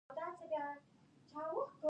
ډاکټر حکمت او نور تر ترمینل پورې ملګري وو.